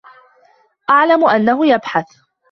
أعلم أنّه يبحث.